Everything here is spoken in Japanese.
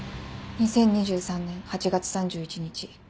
２０２３年８月３１日。